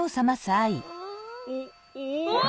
うわ！